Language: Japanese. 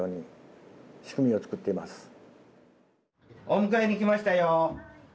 お迎えに来ましたよ。